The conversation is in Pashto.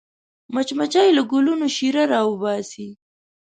مچمچۍ له ګلونو شیره راوباسي